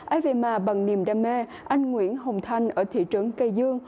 ai về mà bằng niềm đam mê anh nguyễn hồng thanh ở thị trấn cây dương